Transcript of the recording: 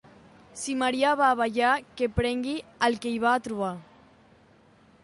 Si Maria va a ballar, que prengui el que hi va a trobar.